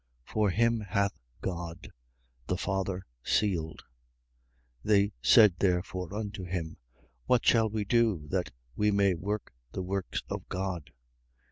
For him hath God, the Father, sealed. 6:28. They said therefore unto him: What shall we do, that we may work the works of God?